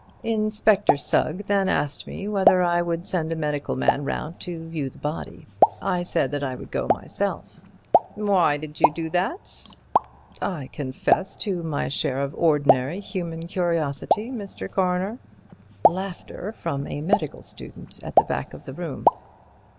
"Inspector Sugg then asked me whether I would send a medical man round to view the body. I said that I would go myself." "Why did you do that?" "I confess to my share of ordinary human curiosity, Mr. Coroner." Laughter from a medical student at the back of the room.